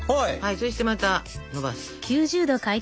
そしてまたのばす。